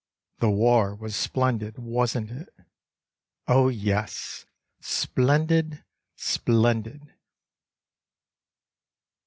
The War was splendid, wasn't it? Oh yes, splendid, splendid."